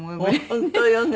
本当よね。